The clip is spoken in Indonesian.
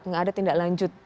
enggak ada tindak lanjut